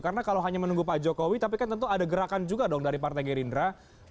karena kalau hanya menunggu pak jokowi tapi kan tentu ada gerakan juga dong dari partai gerindra